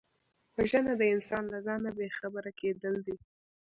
وژنه د انسان له ځانه بېخبره کېدل دي